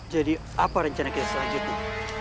jadi apa rencana kita selanjutnya